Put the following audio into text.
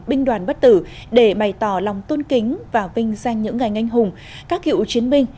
binh đoàn bất tử để bày tỏ lòng tôn kính và vinh danh những ngành anh hùng các cựu chiến binh